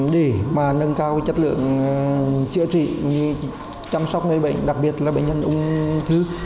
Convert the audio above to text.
để mà nâng cao chất lượng chữa trị chăm sóc người bệnh đặc biệt là bệnh nhân ung thư